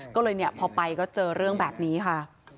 ก็เลยเนี่ยพอไปก็เจอเรื่องแบบนี้ค่ะ